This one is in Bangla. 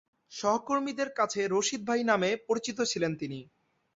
সহকর্মীদের কাছে 'রশীদ ভাই' নামে পরিচিত ছিলেন তিনি।